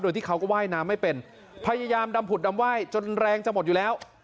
โดยที่เขาก็ว่ายน้ำไม่เป็นพยายามดำผุดดำไหว้จนแรงจะหมดอยู่แล้ว